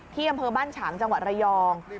อำเภอบ้านฉางจังหวัดระยอง